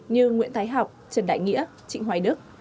như nguyễn thái học trần đại nghĩa trịnh hoài đức